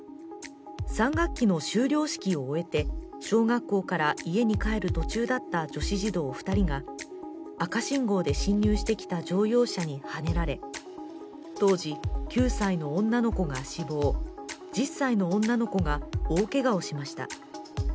３学期の修了式を終えて、小学校から家に帰る途中だった女子児童２人が赤信号で進入してきた乗用車にはねられ、当時９歳の女の子が死亡、１０歳の女の子が大けがをしました。